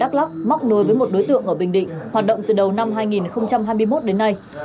đắk lắc móc nối với một đối tượng ở bình định hoạt động từ đầu năm hai nghìn hai mươi một đến nay